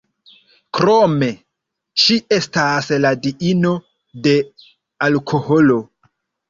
Krome, ŝi estas la diino de alkoholo.